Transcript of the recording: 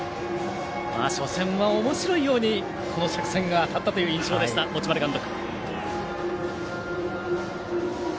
初戦はおもしろいように作戦が当たったという印象でした持丸監督。